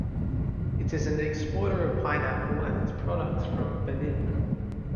It is an exporter of pineapple and its products from Benin.